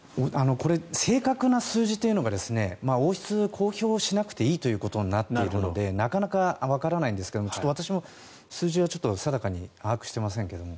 正確な数字は王室、公表しなくていいということになっているのでなかなかわからないんですが私も数字は定かに把握していませんが。